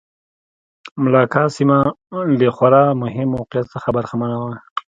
ملاکا سیمه له خورا مهم موقعیت څخه برخمنه وه.